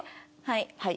はい。